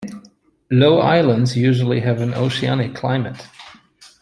Low islands usually have an oceanic climate.